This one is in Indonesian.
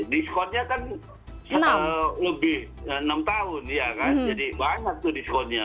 diskonnya kan lebih enam tahun jadi banyak tuh diskonnya